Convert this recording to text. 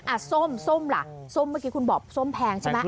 อ่ะส้มละส้มคุณบอกส้มแพงใช่ไหม